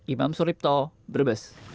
imam sulipto brebes